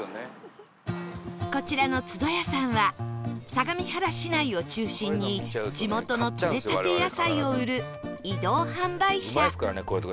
こちらのつどやさんは相模原市内を中心に地元の採れたて野菜を売る移動販売車